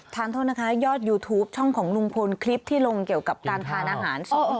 โทษนะคะยอดยูทูปช่องของลุงพลคลิปที่ลงเกี่ยวกับการทานอาหารสด